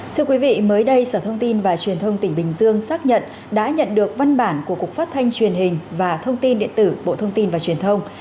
thưa quý vị mới đây sở thông tin và truyền thông tỉnh bình dương xác nhận đã nhận được văn bản của cục phát thanh truyền hình và thông tin điện tử bộ thông tin và truyền thông